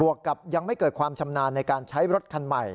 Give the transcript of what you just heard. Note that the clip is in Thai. กับยังไม่เกิดความชำนาญในการใช้รถคันใหม่